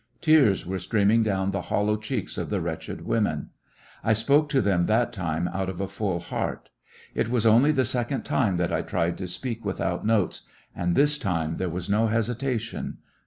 Tears were streaming down the hollow cheeks of the wretched women. I spoke to them that time out of a full heart. It was only the second time that I tried to speak without notes, and this time there was no hesitation.